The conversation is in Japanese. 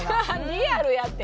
リアルやて！